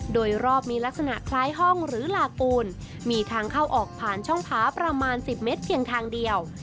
โดยรอบมีลักษณะคล้ายห้องหรือหลากปูนมีทางเข้าออกผ่านช่องผาประมาณ๑๐เมตรเพียงทางเดียว